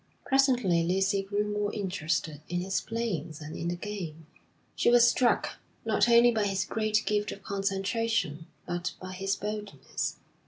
Presently Lucy grew more interested in his playing than in the game; she was struck, not only by his great gift of concentration, but by his boldness.